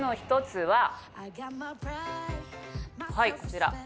はいこちら。